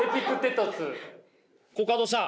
コカドさん